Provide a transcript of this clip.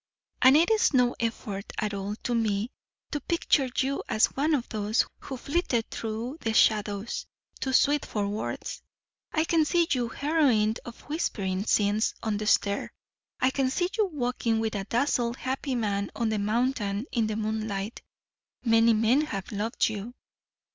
"And it's no effort at all to me to picture you as one of those who flitted through the shadows too sweet for words. I can see you the heroine of whispering scenes on the stair. I can see you walking with a dazzled happy man on the mountain in the moonlight. Many men have loved you."